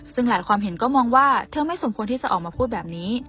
ซึ่งหลายความเห็นก็มองว่าเธอไม่สมควรที่จะออกมาพูดแบบนี้